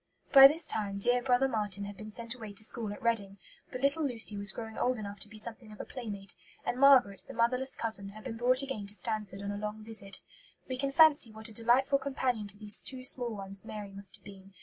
By this time dear brother Marten had been sent away to school at Reading; but little Lucy was growing old enough to be something of a playmate; and Margaret, the motherless cousin, had been brought again to Stanford on a long visit. We can fancy what a delightful companion to these two small ones Mary must have been.